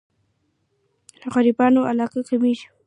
غريبانو علاقه کمېږي.